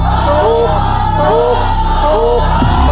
ถูก